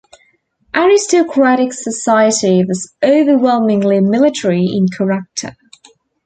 Aristocratic society was overwhelmingly military in character.